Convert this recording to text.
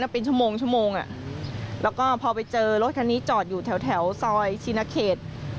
เป็นชั่วโมงชั่วโมงแล้วก็พอไปเจอรถคันนี้จอดอยู่แถวซอยชินเขต